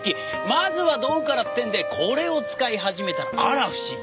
まずは道具からってんでこれを使い始めたらあら不思議。